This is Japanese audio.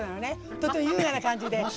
とっても優雅な感じで。